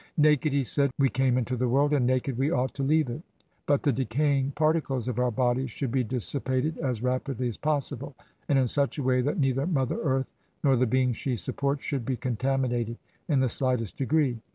Naked, he said, we came into the world, and naked we ought to leave it. But the decaying particles of our bodies should be dis sipated as rapidly as possible, and in such a way that neither Mother Earth nor the beings she supports should be contaminated in the slightest degree.